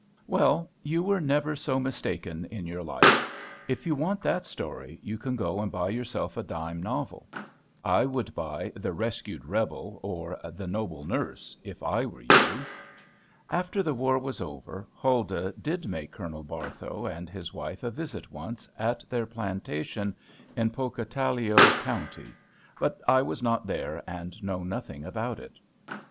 Well! you were never so mistaken in your life. If you want that story, you can go and buy yourself a dime novel. I would buy "The Rescued Rebel;" or, "The Noble Nurse," if I were you. After the war was over, Huldah did make Colonel Barthow and his wife a visit once, at their plantation in Pocataligo County; but I was not there, and know nothing about it.